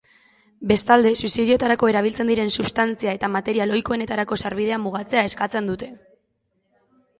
Bestalde, suizidioetarako erabiltzen diren substantzia eta material ohikoenetarako sarbidea mugatzea eskatzen dute.